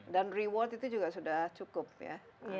dan reward itu juga sudah cukup ya